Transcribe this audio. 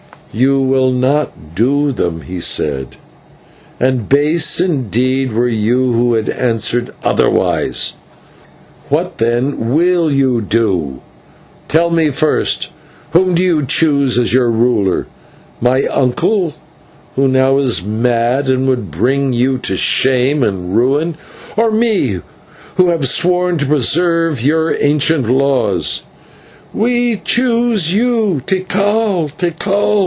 "You will not do them," he said, "and base indeed were you had you answered otherwise. What, then, will you do? Tell me, first, whom do you choose as your ruler, my uncle, who now is mad and would bring you to shame and ruin; or me, who have sworn to preserve your ancient laws?" "We choose you, Tikal, Tikal!"